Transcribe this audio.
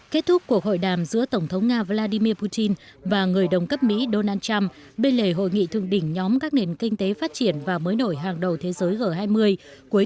kết thúc cuộc hội đàm giữa tổng thống nga vladimir putin và người đồng cấp mỹ donald trump bên lề hội nghị thương đỉnh nhóm các nền kinh tế phát triển và mới nổi hàng đầu thế giới